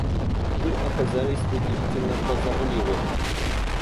Вы оказались удивительно прозорливы.